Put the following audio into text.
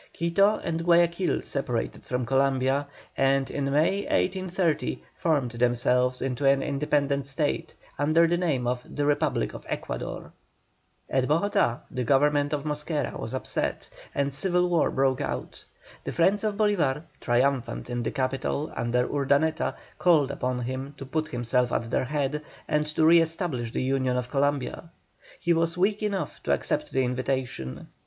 Quito and Guayaquil separated from Columbia, and in May, 1830, formed themselves into an independent State, under the name of THE REPUBLIC OF ECUADOR. At Bogotá the Government of Mosquera was upset, and civil war broke out. The friends of Bolívar, triumphant in the capital under Urdaneta, called upon him to put himself at their head, and to re establish the Union of Columbia. He was weak enough to accept the invitation.